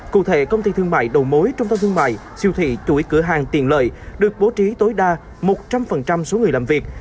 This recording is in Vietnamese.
cụ thể công ty thương mại đầu mối trung tâm thương mại siêu thị chuỗi cửa hàng tiện lợi được bố trí tối đa một trăm linh số người làm việc